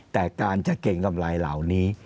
แต่การจะเก่งกำไรเหล่านี้